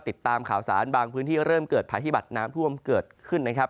ติดตามข่าวสารบางพื้นที่เริ่มเกิดภัยพิบัตรน้ำท่วมเกิดขึ้นนะครับ